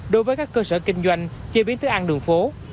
đối với các cơ sở kinh doanh chế biến thức ăn đường phố